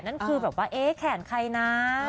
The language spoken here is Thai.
นั่นคือแบบว่าเอ๊ะแขนใครนะ